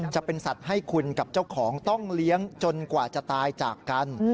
จะเป็นสัตว์ให้คุณกับเจ้าของต้องเลี้ยงจนกว่าจะตายจากกัน